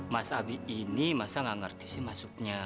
mas abi ini masa gak ngerti sih masuknya